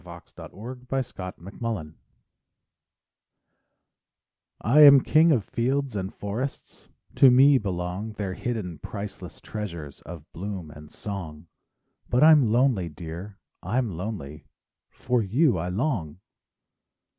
SONGS AND DREAMS To My Love I am king of fields and forests; To me belong Their hidden priceless treasures Of bloom and song. But I'm lonely, dear, I'm lonely,— For you I long!